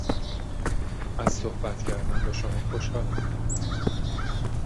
از صحبت کردن با شما خوشحالم.